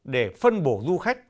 để phân bổ du khách